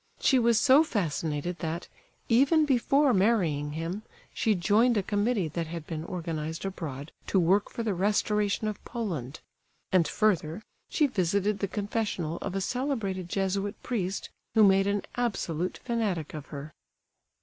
She was so fascinated that, even before marrying him, she joined a committee that had been organized abroad to work for the restoration of Poland; and further, she visited the confessional of a celebrated Jesuit priest, who made an absolute fanatic of her.